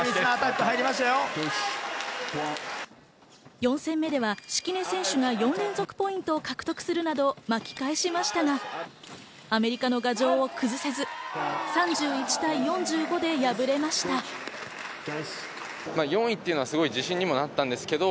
４戦目では敷根選手が４連続ポイントを獲得するなど巻き返しましたが、アメリカの牙城を崩せず、３１対４５で敗れました。